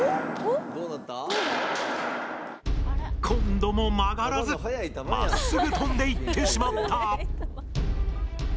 今度も曲がらずまっすぐ飛んでいってしまった。